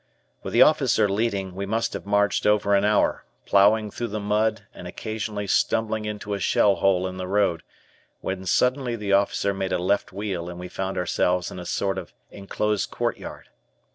With the officer leading, we must have marched over an hour, plowing through the mud and occasionally stumbling into a shell hole in the road, when suddenly the officer made a left wheel and we found ourselves in a sort of enclosed courtyard.